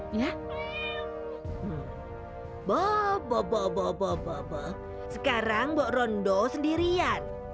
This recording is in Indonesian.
sekarang aku akan berjalan sendirian